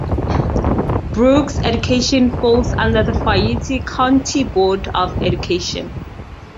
Brooks' education falls under the Fayette County Board of Education.